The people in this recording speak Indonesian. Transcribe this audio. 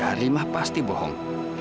harimah pasti bohong